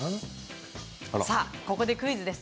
ここでクイズです。